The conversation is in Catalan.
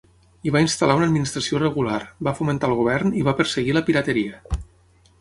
Hi va instal·lar una administració regular, va fomentar el govern i va perseguir la pirateria.